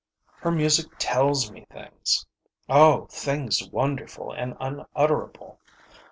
Her music tells me things oh, things wonderful and unutterable.